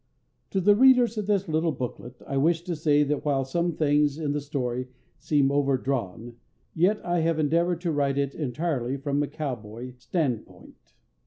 To the readers of this little booklet: I wish to say that while some things in the story seem over drawn, yet I have endeavored to write it entirely from a cowboy standpoint.